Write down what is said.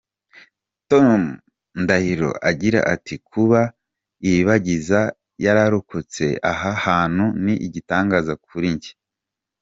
Tom Ndahiro agira ati” Kuba Ilibagiza yararokotse aha hantu ni igitangaza kuri njye.